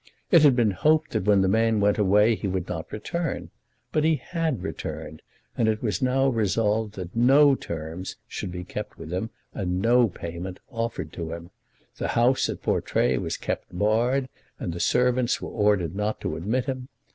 It had been hoped that when the man went away he would not return; but he had returned, and it was now resolved that no terms should be kept with him and no payment offered to him. The house at Portray was kept barred, and the servants were ordered not to admit him.